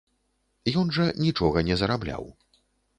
Ён жа нічога не зарабляў.